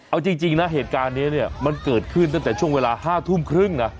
เอาจริงนะเหตุการณ์นี้เนี่ยมันเกิดขึ้นตั้งแต่ช่วงเวลา๕ทุ่มครึ่งนะ